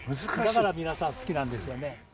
だから皆さん好きなんですよね。